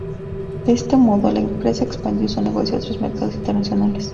De este modo, la empresa expandió su negocio a otros mercados internacionales.